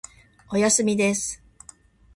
おやすみです。